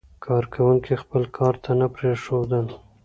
کارکوونکي خپل کار ته نه پرېښودل.